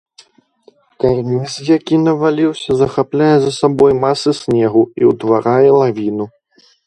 Карніз, які наваліўся, захапляе за сабой масы снегу і ўтварае лавіну.